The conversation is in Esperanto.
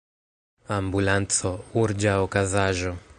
Ambulanco: Urĝa okazaĵo.